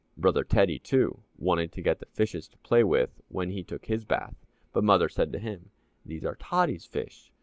Brother Teddy, too, wanted to get the fishes to play with when he took his bath, but Mother said to him, "These are Tottie's fish.